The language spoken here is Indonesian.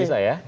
nggak bisa ya